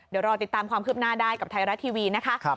เดี๋ยวรอติดตามความคืบหน้าได้กับไทยรัฐทีวีนะคะ